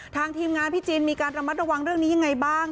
ทีมงานพี่จินมีการระมัดระวังเรื่องนี้ยังไงบ้าง